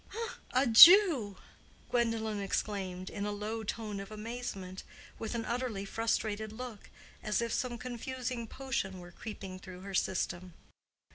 "A Jew!" Gwendolen exclaimed, in a low tone of amazement, with an utterly frustrated look, as if some confusing potion were creeping through her system.